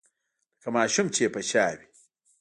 لکه ماشوم چې يې په شا وي.